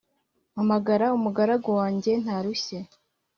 mpamagara umugaragu wanjye ntarushye